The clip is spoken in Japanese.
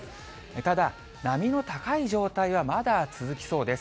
ただ、波の高い状態はまだ続きそうです。